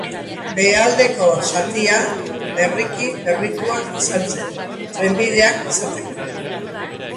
Behealdeko zatia, berriki berritua izan zen, trenbideak izateko.